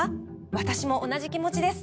私も同じ気持ちです。